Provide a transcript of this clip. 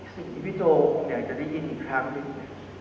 สิ่งที่พี่โจ้อยากจะได้ยินอีกครั้งนึง